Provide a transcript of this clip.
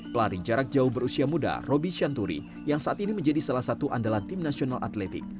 pelaring jarak jauh berusia muda roby shanturi yang saat ini menjadi salah satu andalan tim nasional atletik